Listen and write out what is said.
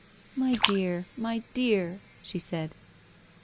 My dear, my dear!" she said.